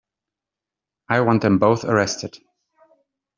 I want them both arrested.